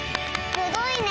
すごいね！